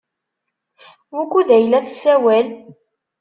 Wukud ay la tessawal?